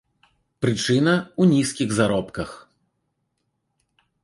Прычына ў нізкіх заробках.